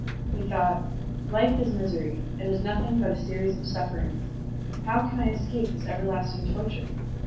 He thought: "Life is misery; it is nothing but a series of sufferings. How can I escape this everlasting torture?